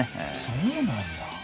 そうなんだ。